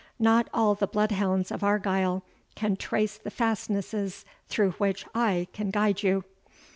Not all the bloodhounds of Argyle can trace the fastnesses through which I can guide you."